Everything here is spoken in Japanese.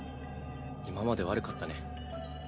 今まで悪かったね。